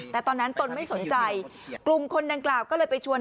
แต่ตอนนั้นตนไม่สนใจกลุ่มคนดังกล่าวก็เลยไปชวน